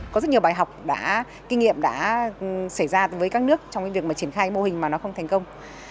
có rất nhiều bài học kinh nghiệm đã xảy ra với các nước trong việc triển khai mô hình mà nó không thành công